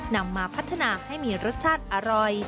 นำมาพัฒนาให้มีรสชาติอร่อย